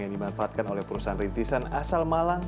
yang dimanfaatkan oleh perusahaan rintisan asal malang